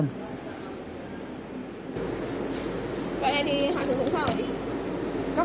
vậy thì họ sử dụng sao vậy